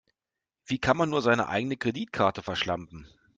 Wie kann man nur seine eigene Kreditkarte verschlampen?